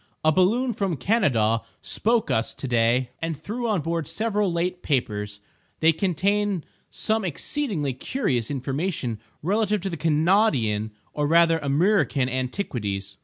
A balloon from Kanadaw spoke us to day and threw on board several late papers; they contain some exceedingly curious information relative to Kanawdian or rather Amriccan antiquities.